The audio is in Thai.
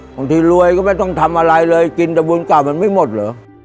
บางทีรวยก็ไม่ต้องทำอะไรเลยกินตะบุญเก่ามันไม่หมดเหรอ